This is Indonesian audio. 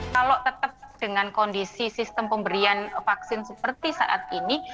kalau tetap dengan kondisi sistem pemberian vaksin seperti saat ini